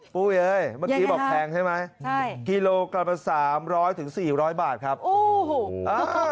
ปุ๊ยเมื่อกี้บอกแพงใช่ไหมคิโลกรัมละ๓๐๐๔๐๐บาทครับโอ้โห